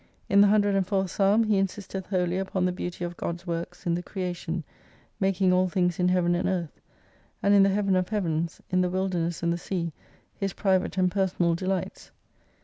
In the 104th psalm he insisteth wholly upon the beauty of God's works in the creation, making all things in Heaven and Earth, and in the heaven of heavens, in the wilderness and the sea his private and personal delights.